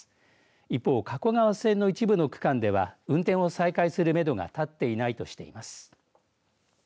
一方、加古川線の一部の区間では運転を再開するめどが立っていないとしています。